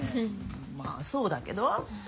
まあそうだけど。